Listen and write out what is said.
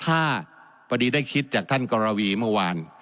ถ้าพอดีได้คิดจากท่านกรวีเมื่อวาน